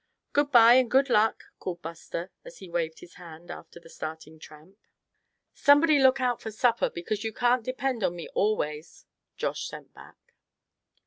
"Goodbye, and good luck!" called Buster, as he waved his hand after the starting Tramp. "Somebody look out for supper, because you just can't depend on me always!" Josh sent back.